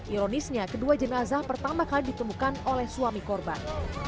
ironisnya kedua jenazah pertama kali ditemukan oleh suami korban